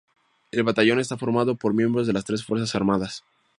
El batallón está formado por miembros de las tres fuerzas armadas.